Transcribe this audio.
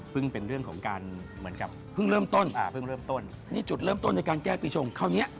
ภูมิมันชะเทศไทย